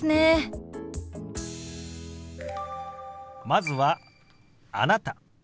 まずは「あなた」。